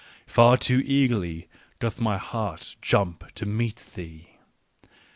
Far too eagerly doth my heart jump to meet thee.